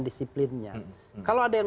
disiplinnya kalau ada yang